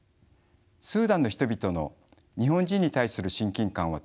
スーダンの人々の日本人に対する親近感は特別です。